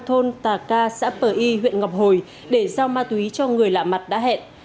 thôn tà ca xã pờ y huyện ngọc hồi để giao ma túy cho người lạ mặt đã hẹn